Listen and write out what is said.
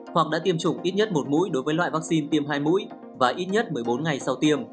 hoặc đã tiêm chủng ít nhất một mũi đối với loại vaccine tiêm hai mũi và ít nhất một mươi bốn ngày sau tiêm